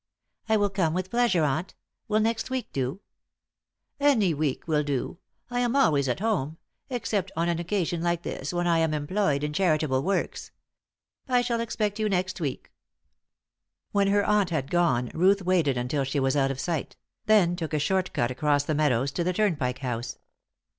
"I will come with pleasure, aunt. Will next week do?" "Any week will do. I am always at home except on an occasion like this, when I am employed in charitable works. I shall expect you next week." When her aunt had gone, Ruth waited until she was out of sight; then took a short cut across the meadows to the Turnpike House.